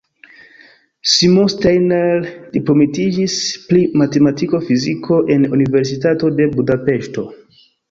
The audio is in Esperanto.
Simon Steiner diplomitiĝis pri matematiko-fiziko en Universitato de Budapeŝto.